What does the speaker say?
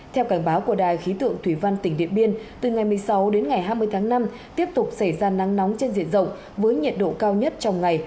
theo cảnh báo của đài khí tượng thủy văn tỉnh điện biên từ ngày một mươi sáu đến ngày hai mươi tháng năm tiếp tục xảy ra nắng nóng trên diện rộng với nhiệt độ cao nhất trong ngày